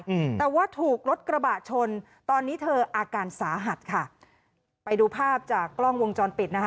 อืมแต่ว่าถูกรถกระบะชนตอนนี้เธออาการสาหัสค่ะไปดูภาพจากกล้องวงจรปิดนะคะ